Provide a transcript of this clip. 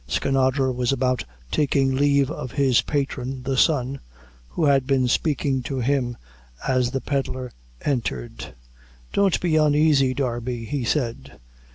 Skinadre was about taking leave of his patron, the son, who had been speaking to him as the pedlar entered. "Don't be unaisy, Darby," he said.